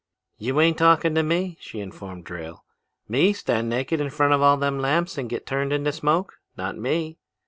'You ain't talking to me,' she informed Drayle. 'Me stand naked in front of all them lamps and get turned into smoke? Not me!'